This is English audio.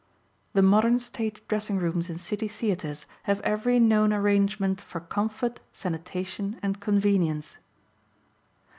The modern stage dressing rooms in city theatres have every known arrangement for comfort, sanitation and convenience.